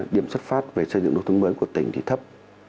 điểm xuất phát về xây dựng đồ thương mới của tỉnh thì thấp